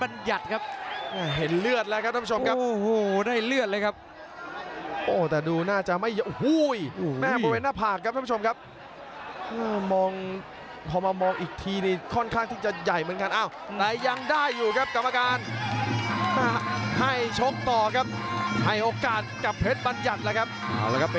ยยำจะเน้นที่หมัดลงทุนก่อน้ับก่อนทำก่อนก็คล่อนคลื่นทีหลังบล็อกไหนละเซียมด้วยซ่าย